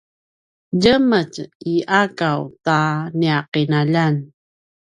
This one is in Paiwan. djemetj i akaw ta nia qinaljan